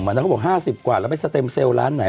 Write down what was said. แล้วเขาบอกห้าสิบกว่าแล้วไปสเต็มเซลล้านไหน